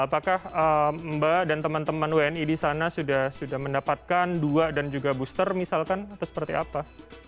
apakah mbak dan teman teman wni di sana sudah mendapatkan dua dan juga booster misalkan atau seperti apa